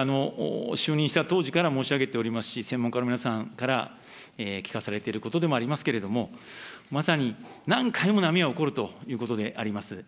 これは就任した当時から申し上げておりますし、専門家の皆さんから聞かされていることでもありますけれども、まさに何回も波は起こるということであります。